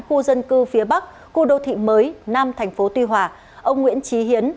khu dân cư phía bắc khu đô thị mới nam tp tuy hòa ông nguyễn trí hiến